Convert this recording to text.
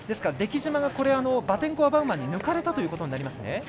出来島がバテンコワバウマンに抜かれたということになりますね。